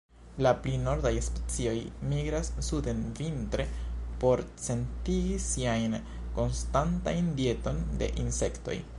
La pli nordaj specioj migras suden vintre, por certigi siajn konstantan dieton de insektoj.